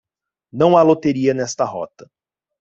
Não há loteria nesta rota.